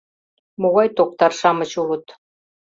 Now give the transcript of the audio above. Могай токтар-шамыч улыт.